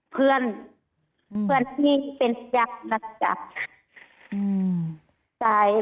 เพื่อนเพื่อนที่เป็นยักษ์นักยักษ์